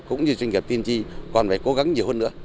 cũng như doanh nghiệp tiên tri còn phải cố gắng nhiều hơn nữa